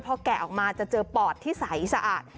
พอแกะออกมาจะเจอปอดที่ใสสะอาด